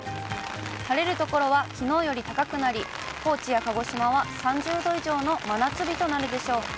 晴れる所はきのうより高くなり、高知や鹿児島は３０度以上の真夏日となるでしょう。